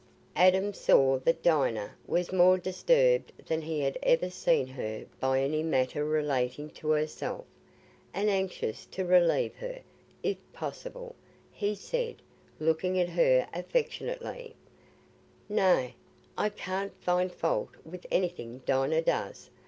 Adam saw that Dinah was more disturbed than he had ever seen her by any matter relating to herself, and, anxious to relieve her, if possible, he said, looking at her affectionately, "Nay, I can't find fault with anything Dinah does.